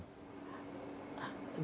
jadi saya tidak tahu